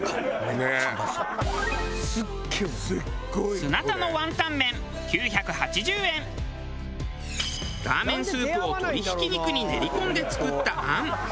砂田のラーメンスープを鶏ひき肉に練り込んで作った餡。